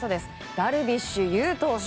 ダルビッシュ有投手。